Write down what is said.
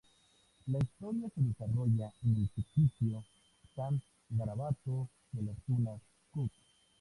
La historia se desarrolla en el ficticio "San Garabato de las Tunas, Cuc.